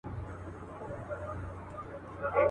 پاچا وغوښته نجلۍ واده تیار سو.